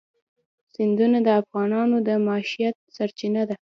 سیندونه د افغانانو د معیشت سرچینه ده.